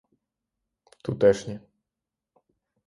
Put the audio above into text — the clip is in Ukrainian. — Тутешні.